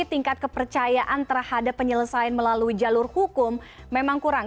tingkat kepercayaan terhadap penyelesaian melalui jalur hukum memang kurang